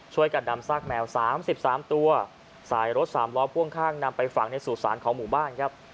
ช่วยกันนำซากแมว๓๓ตัวสายรถสามล้อพ่วงข้างนำไปฝังในสู่สารของหมู่บ้านครับ